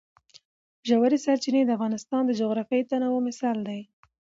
ژورې سرچینې د افغانستان د جغرافیوي تنوع مثال دی.